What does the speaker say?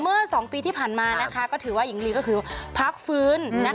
เมื่อสองปีที่ผ่านมานะคะก็ถือว่าหญิงลีก็ถือว่าพักฟื้นนะคะ